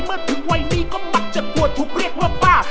เมื่อถึงวัยนี้ก็มักจะกลัวถูกเรียกว่าป้า